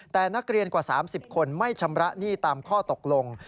แต่นักเรียนกว่า๓๐คนไม่ชำระหนี้ตามข้อตกลง